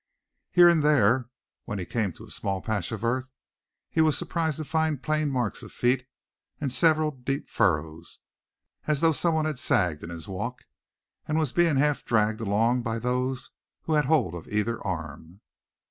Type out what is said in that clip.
Here and there, when he came to a small patch of earth, he was surprised to find plain marks of feet, and several deep furrows, as though some one had sagged in his walk, and was being half dragged along by those who had hold of either arm.